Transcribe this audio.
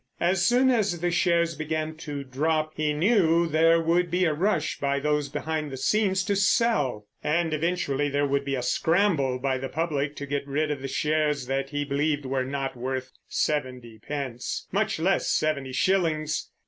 As soon as the shares began to drop he knew there would be a rush by those behind the scenes to sell. And eventually there would be a scramble by the public to get rid of the shares that he believed were not worth seventy pence, much less seventy shillings.